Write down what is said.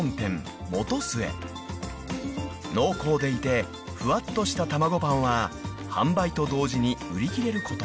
［濃厚でいてふわっとしたたまごパンは販売と同時に売り切れることも］